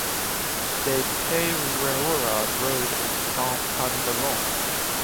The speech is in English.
De Peyrehorade road in Saint-Pandelon